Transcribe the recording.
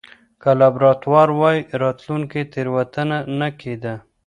که لابراتوار واي، راتلونکې تېروتنه نه کېده.